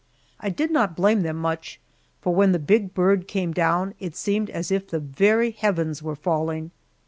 I did not blame them much, for when the big bird came down, it seemed as if the very heavens were falling.